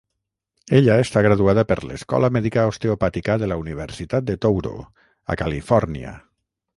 Ella està graduada per l'escola mèdica osteopàtica de la Universitat de Touro, a Califòrnia.